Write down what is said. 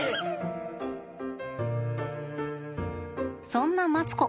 そんなマツコ。